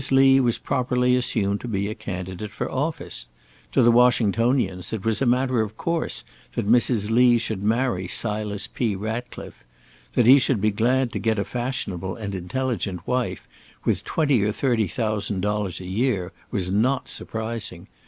Lee was properly assumed to be a candidate for office. To the Washingtonians it was a matter of course that Mrs. Lee should marry Silas P. Ratcliffe. That he should be glad to get a fashionable and intelligent wife, with twenty or thirty thousand dollars a year, was not surprising.